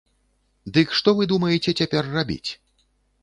Дык што вы думаеце цяпер рабіць?